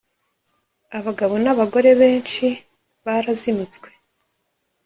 abagabo n'abagore benshi barazinutswe